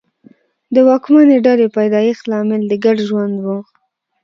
د واکمنې ډلې پیدایښت لامل د ګډ ژوند و